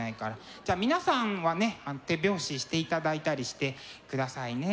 じゃあ皆さんはね手拍子していただいたりしてくださいね。